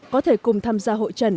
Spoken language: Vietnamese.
có thể cùng tham gia hội trần